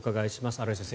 新井先生